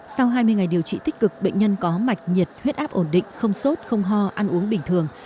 sau hai mươi ngày điều trị tích cực bệnh nhân có mạch nhiệt huyết áp ổn định không sốt không ho ăn uống bình thường